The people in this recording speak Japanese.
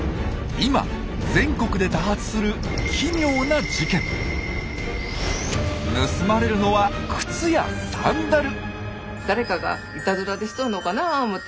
今全国で多発する盗まれるのは靴やサンダル！